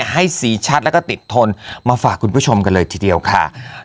ให้สีชัดแล้วก็ติดทนมาฝากคุณผู้ชมกันเลยทีเดียวค่ะ